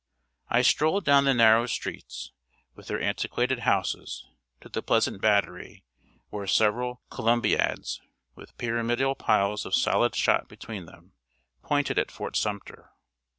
I strolled down the narrow streets, with their antiquated houses, to the pleasant Battery, where several columbiads, with pyramidal piles of solid shot between them, pointed at Fort Sumter.